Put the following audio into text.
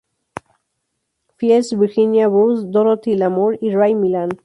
Fields, Virginia Bruce, Dorothy Lamour y Ray Milland.